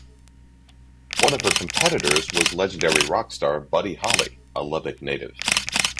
One of her competitors was legendary rock star Buddy Holly, a Lubbock native.